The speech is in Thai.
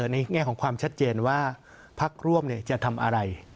ในแง่ของความชัดเจนว่าพักร่วมจะทำอะไร